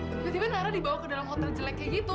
tiba tiba nara dibawa ke dalam hotel jeleknya gitu